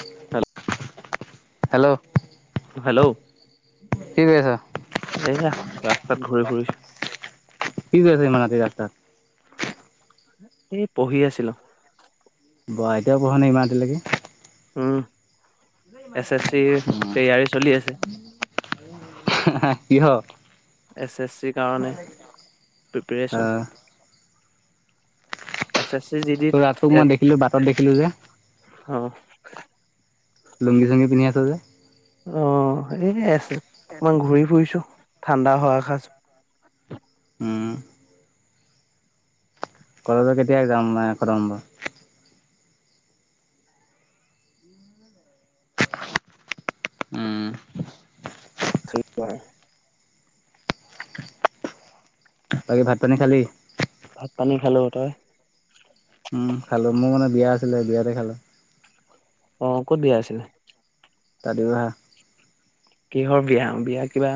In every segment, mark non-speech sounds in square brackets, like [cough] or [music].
উ হেল [unintelligible] hello hello, কি কৰি আছ? এইয়া ৰাস্তাত ঘূৰি ফুৰিছো। কি কৰি আছ ইমান ৰাতি ৰাস্তাত এ পঢ়ি আছিলো। বা' এতিয়াও পঢ়া নে ইমান ৰাতিলৈকে? উম। এছ এছ চিৰ তৈয়াৰী চলি আছে। কিহ এচ এচ চিৰ কাৰণে পিপেৰেচন। আহ এছ এছ চি জি দি তোৰ ৰাতটোক মই দেখিলো বাটত দেখিলো যে অ। লুংগি চুঙি পিন্ধি আছ যে? অ এয়ে আছো। অকমান ঘূৰি ফুৰিছো। ঠাণ্ডা হোৱা সাঁজ উম। ক [unintelligible] লে কেতিয়া যাম নাই কম বা উম। থ [unintelligible] বাকী ভাত পানী খালি? ভাত পানী খালো। তই? উম, খালো। মোৰ মানে বিয়া আছিলে বিয়াতে খালো। অহ ', ক'ত বিয়া আছিলে? তালি বা [unintelligible] কিহৰ বিয়া -বিয়া কিবা?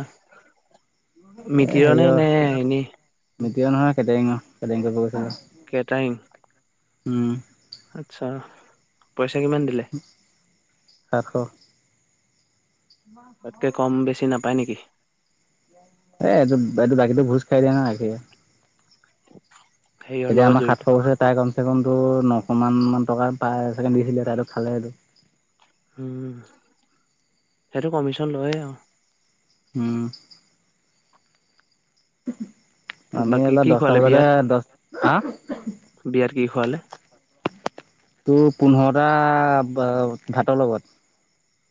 এ মিতিৰৰে হেৰিয়ৰ নে এনে? মিতিৰৰ নহয়, কেটাৰিঙৰ কেটাৰিং কৰিব গৈছিলো। কেটাৰিং? উম, আচ্ছা পইচ চা কিমান দিলে? আৰু [unintelligible] তাতকৈ কম বেছি নাপায় নেকি? এই এইটো- এইটো বাকীটো ভোজ খাই দিয়ে না। হেৰিয়ৰ তেতিয়া লগত আমাৰ জড়িত সাতশ বছৰে তাই গম টো নশ মান মান টকা পায় ছেকেণ্ড দিছিলে তাইতোক খালে এইটো। উম, সেইটো কমিশন লয়ে আৰু। হুম, উম [unintelligible] আমি বাকী অলপ কি দহটা খোৱালে বিয়াত বজাতে দহ হাহ। বিয়াত কি খোৱালে? তোৰ পোন্ধৰটা ভাতৰ লগত।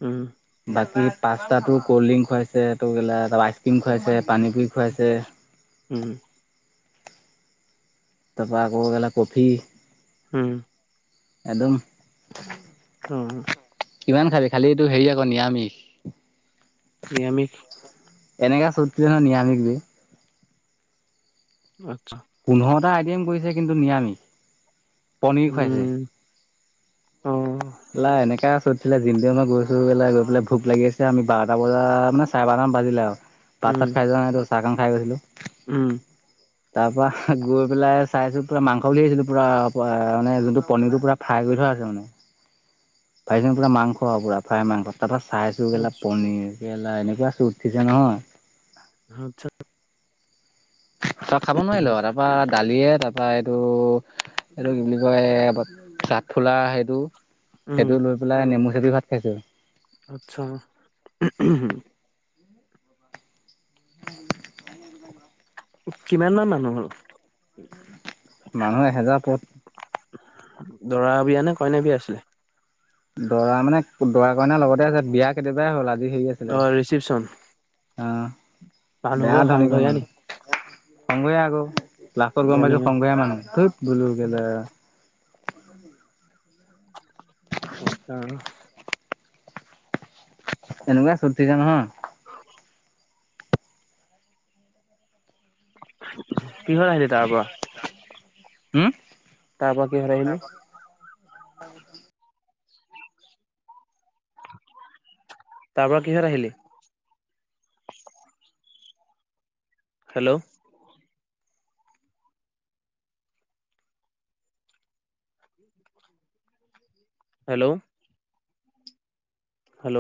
উম, বাকী পাস্তা ক'ল্ড ড্ৰিংক খুৱাইছে ত কেলা টো কেলা আইচ ক্ৰীম খুৱাইছে পানী পুৰি খুৱাইছে। উম, তাৰপৰা আকৌ কেলা আকৌ কফি হম। একদম। অহ ', কিমান খালি খালিটো হেৰি আকৌ নিৰামিষ। নিৰামিষ এনেকুৱা চোট উঠে নহয় নিৰামিষ দি। আচ্ছা। পোন্ধৰটা আইটেম কৰিছে কিন্তু নিৰামিষ। পনীৰ খুৱাইছে। উম, অ', লাই এনেকাে আছো। আছিলে দিনটোৱে মই গৈছো বলে গৈ পেলাই ভোক লাগি আছে আমি বাৰটা বজা মানে চাৰে বাৰটামান বাজিলে আৰু। ভাত উম, চাত খাই যোৱা নাই টো। চাহ কণ খাই গৈছিলোঁ। উম, তাৰ পৰা গৈ পেলাই। চাইছো পুৰা মাংস বুলি ভাবিছিলো। পুৰা মানে যোনটো পনিৰটো পুৰা ফ্ৰাই কৰি থোৱা আছে মানে। ভাবিছোঁ পুৰা মাংস পুৰা ফ্ৰায় মাংস তাৰপা। চাইছোঁ কেলা আচ্ছা, পনীৰ। কেলা এনেকুৱা চোট উঠিছে নহয়। আছ [unintelligible] তই খাব নোৱাৰিলো তাৰপৰা। দালিয়ে তাৰপৰা এইটো, এইটো কি বুলি কয় কাঁঠফুলা সেইটো। উম, সেইটো লৈ পেলাই নেমুচ। দি ভাত খাইছোঁ। আচ্ছা। উ, কিমান মান মানুহ হ'ল? মানুহে হেজাৰ উপৰত দৰা বিয়া নে কইনা বিয়া আছিলে? দৰা মানে দৰা কইনাৰ লগতে আছিল বিয়া কেতিয়াবাই হ'ল আজি। অ ' ৰিচিপচন। অ'। বেয়া মানুহঘৰ ধনী ঘৰ সংঘৰীয়া নি? মানে। সংঘৰীয়া আকৌ। লাখত গম পাইছো ধনীয়া সং‌ঘৰীয়া মানুহ তুত বোলো কে [unintelligible] আচ্ছা। এনেকুৱা চুত উঠিছে নহয়। [unintelligible] কিহত আহিলি তাৰ পৰা? হ'ম। তাৰ পৰা কিহত আহিলি? [unintelligible] তাৰ পৰা কিহত আহিলি? হেল্ল'! হেল্ল'! হেল্ল'!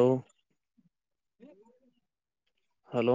হেল্ল'!